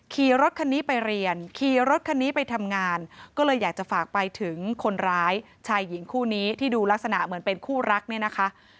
ขี่รถคันนี้ไปเรียนขี่รถคันนี้ไปทำงานก็เลยอยากจะฝากไปถึงคนร้ายชายหญิงคู่นี้ที่ดูลักษณะเหมือนเป็นคู่รักเนี่ยนะคะ